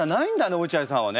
落合さんはね。